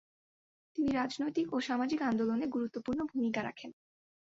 তিনি রাজনৈতিক ও সামাজিক আন্দোলনে গুরুত্বপূর্ণ ভূমিকা রাখেন।